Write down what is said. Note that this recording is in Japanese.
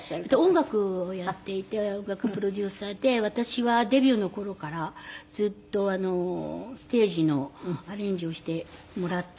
音楽をやっていて音楽プロデューサーで私はデビューの頃からずっとステージのアレンジをしてもらったり。